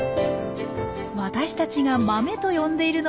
私たちが「豆」と呼んでいるのもタネ。